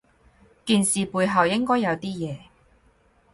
件事背後應該有啲嘢